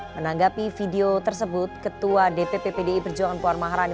menanggapi video tersebut ketua dpp pdi perjuangan puan maharani